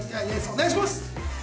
お願いします！